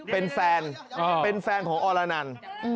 เป็นแฟนเป็นแฟนของอรนัน